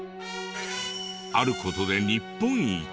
ある事で日本一！？